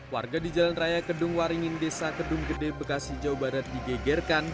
warga di jalan raya kedung waringin desa kedung gede bekasi jawa barat digegerkan